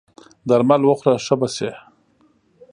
درمل وخوره ښه به سې!